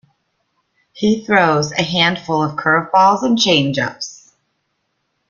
He throws a handful of curveballs and changeups.